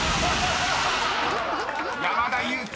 ［山田裕貴